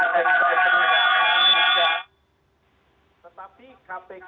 berada di sektor pencegahan juga